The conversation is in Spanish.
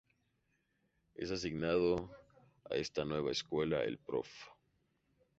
Es asignado a esta nueva escuela el Profr.